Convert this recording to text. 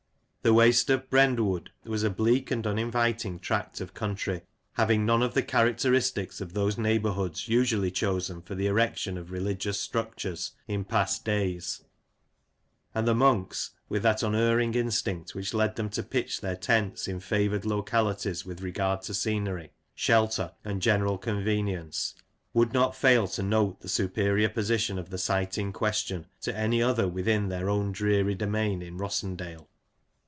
The "Waste of Brendewode" was a bleak and uninviting tract of country, having none of' the characteristics of those neighbourhoods usually chosen for the erection of religious structures in past days \ and the Monks, with that unerring instinct which led them to pitch their tents in favoured localities with regard to scenery, shelter, and general convenience, would not fail to note the superior position of the site in question to any other within their own dreary domain in Rossendale.